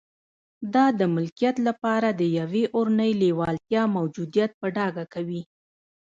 دا د ملکیت لپاره د یوې اورنۍ لېوالتیا موجودیت په ډاګه کوي